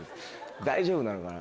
大丈夫なのかな。